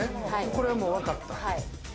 これはもう分かった。